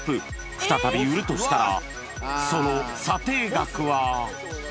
再び売るとしたらその査定額は。